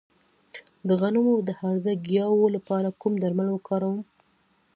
د غنمو د هرزه ګیاوو لپاره کوم درمل وکاروم؟